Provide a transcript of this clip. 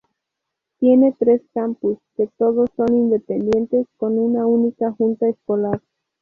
Tiene tres campus, que todos son independientes, con una única junta escolar.